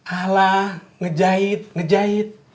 alah ngejahit ngejahit